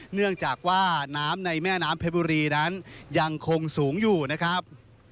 เนื่องจากว่าน้ำในแม่น้ำเพชรบุรีนั้นยังคงสูงอยู่นะครับ